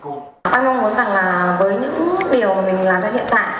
em mong muốn rằng là với những điều mà mình làm theo hiện tại